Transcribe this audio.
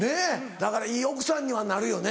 だからいい奥さんにはなるよね。